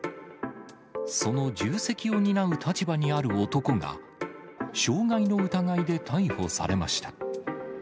その重責を担う立場にある男が、傷害の疑いで逮捕されました。